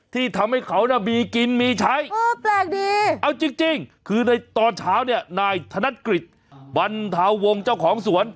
ที่ทำให้เขาน่ะมีกินมีใช้เออแปลกดีเอาจริงคือในตอนเช้าเนี่ยนายธนกฤษบรรเทาวงศ์เจ้าของสวน